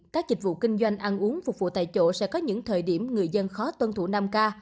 các dịch vụ kinh doanh ăn uống phục vụ tại chỗ sẽ có những thời điểm người dân khó tuân thủ năm k